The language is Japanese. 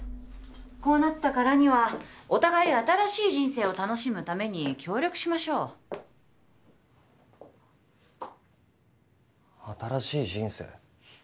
こうなったからにはお互い新しい人生を楽しむために協力しましょう新しい人生？